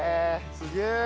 すげえ！